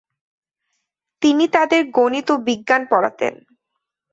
তিনি তাদের গণিত ও বিজ্ঞান পড়াতেন।